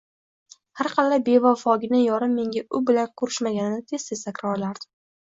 Harqalay, bevafogina yorim menga u bilan ko`rishmaganini tez-tez takrorlardi